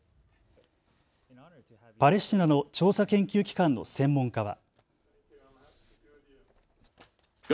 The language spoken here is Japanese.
パレスチナの調査研究機関の専門家は。